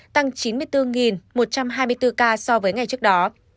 tăng chín mươi bốn một trăm hai mươi bốn ca so với ngày trước đó